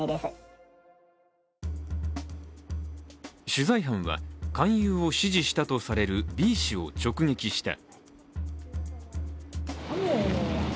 取材班は勧誘を指示したとされるＢ氏を直撃した。